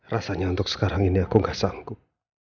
rasanya untuk sekarang ini aku gak sanggup